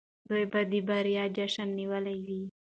دوی به د بري جشن نیولی وي.